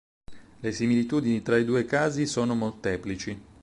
Le similitudini tra i due casi sono molteplici.